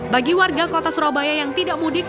bagi warga kota surabaya yang tidak mudik